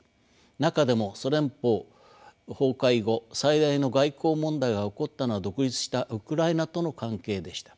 中でもソ連邦崩壊後最大の外交問題が起こったのは独立したウクライナとの関係でした。